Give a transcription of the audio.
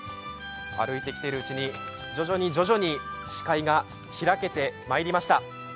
歩いてきているうちに、徐々に徐々に視界が開けてまいりました。